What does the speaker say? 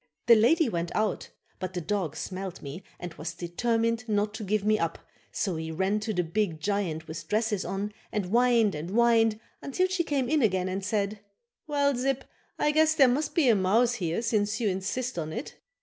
The lady went out but the dog smelled me and was determined not to give me up so he ran to the big giant with dresses on and whined and whined until she came in again and said: "Well, Zip, I guess there must be a mouse here since you insist on it."